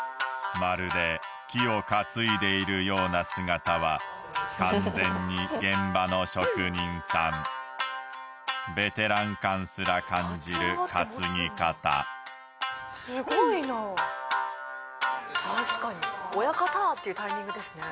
まるで木を担いでいるような姿は完全に現場の職人さんベテラン感すら感じる担ぎ方すごいな確かに「親方！」っていうタイミングですね